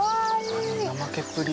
あの怠けっぷり。